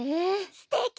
すてき！